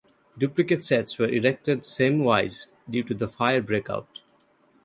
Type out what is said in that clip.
Duplicate sets were erected same wise due to the fire breakout.